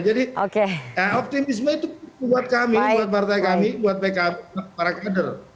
jadi optimisme itu buat kami buat partai kami buat pkb para kader